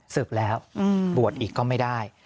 ศึกแล้วบวชอีกก็ไม่ได้